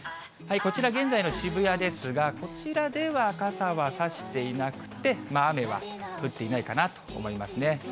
こちら、現在の渋谷ですが、こちらでは傘は差していなくて、雨は降っていないかなと思いますね。